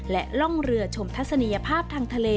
และล่องเรือชมทัศนียภาพทางทะเล